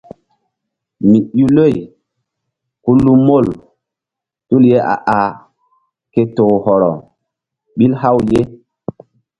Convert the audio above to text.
Mi i loy ku lu mol tul ye a ah ke toh hɔrɔ ɓil haw ye.